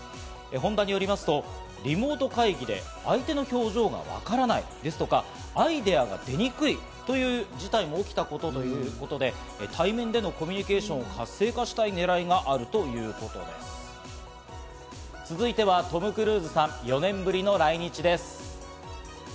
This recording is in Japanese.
ホンダによりますと、リモート会議で相手の表情がわからない、ですとか、アイデアが出にくいという事態も起きたということで対面でのコミュニケーションを活性化したい狙いがあるということで続いてはトム・クルーズさん、４年ぶりの来日です。